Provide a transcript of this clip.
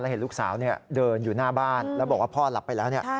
เห็นลูกสาวเดินอยู่หน้าบ้านแล้วบอกว่าพ่อหลับไปแล้วเนี่ย